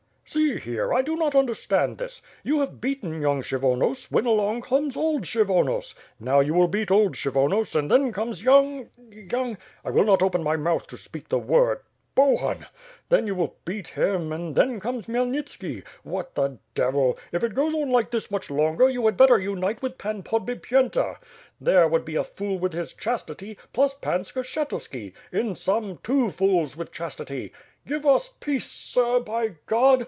"See here, I do not understand this. You have beaten young Kshyvonos, when along comes old Kshyvonos. Now you will beat old Kshyvonos, and then comes young ... young ... I will not open my mouth to speak the word, Bohun. Then you will beat him, and then comes Khmyel nitski. What the devil! If it goes on like this much longer, you had better unite with Pan Podbipyenta. There would be a fool with his chastity, plus Pan Skshetuski, in sum, two fools with chastity. Give us peace, sir, by God!